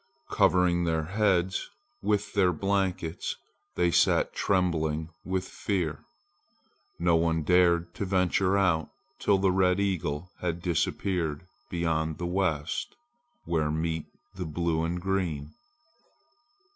Covering their heads with their blankets, they sat trembling with fear. No one dared to venture out till the red eagle had disappeared beyond the west, where meet the blue and green.